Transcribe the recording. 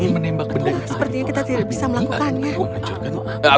sepertinya kita tidak bisa melakukannya